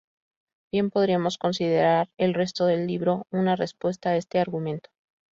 Bien podríamos considerar el resto del libro una respuesta a este argumento.